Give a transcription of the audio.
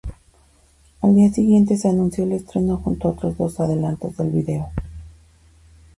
Al día siguiente se anunció el estreno junto a otros dos adelantos del video.